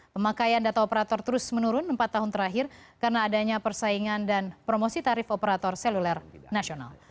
pemakaian data operator terus menurun empat tahun terakhir karena adanya persaingan dan promosi tarif operator seluler nasional